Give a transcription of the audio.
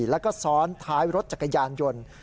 แล้วก็ซ้อนท้ายรถจักรยานยนต์